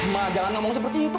mah jangan ngomong seperti itu